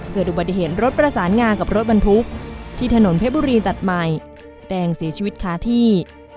เกิดอุบัติเหตุรถประสานงากับรถบรรทุกที่ถนนเพชรบุรีตัดใหม่แดงเสียชีวิตคาที่